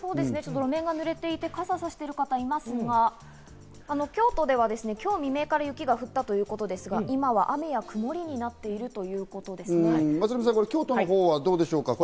路面が濡れていて、傘をさしている方がいますが、京都は今日未明から雪が降ったということですが、今は雨やくもりになっているということです。